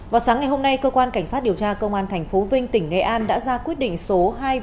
vào sáng ngày hôm nay cơ quan cảnh sát điều tra công an tp vinh tỉnh nghệ an đã ra quyết định số hai trăm ba mươi